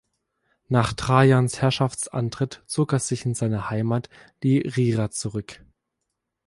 Nach Trajans Herrschaftsantritt zog er sich in seine Heimat Liria zurück.